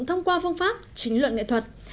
thông qua phương pháp chính luận nghệ thuật